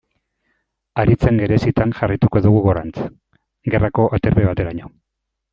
Haritzen gerizetan jarraituko dugu gorantz, gerrako aterpe bateraino.